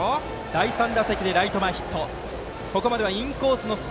第３打席でライト前ヒット。